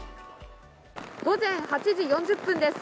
午前８時４０分です。